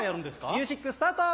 ミュージックスタート！